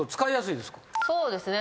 そうですね。